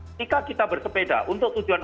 ketika kita bersepeda untuk tujuan